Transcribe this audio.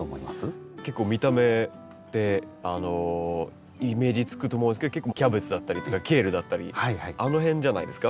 結構見た目でイメージつくと思うんですけどキャベツだったりとかケールだったりあの辺じゃないですか？